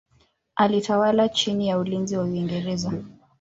Alitawala chini ya ulinzi wa Uingereza.